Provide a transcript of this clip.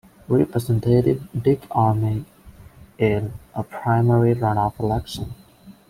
Representative Dick Armey, in a primary runoff election.